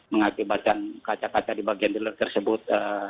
mengakibatkan kaca kaca di bagian dealer tersebut